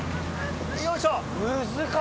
よいしょ。